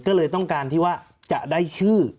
ก็เลยต้องการที่ว่าจะได้ชื่อ